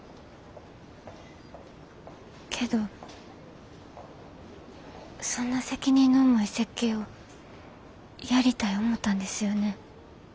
けどそんな責任の重い設計をやりたい思たんですよね？